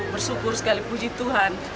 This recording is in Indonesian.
bersyukur sekali puji tuhan